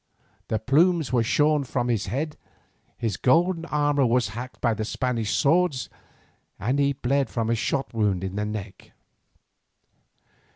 The plumes were shorn from his head, his golden armour was hacked by the Spanish swords, and he bled from a shot wound in the neck.